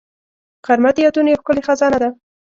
غرمه د یادونو یو ښکلې خزانه ده